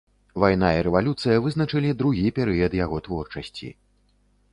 Вайна і рэвалюцыя вызначылі другі перыяд яго творчасці.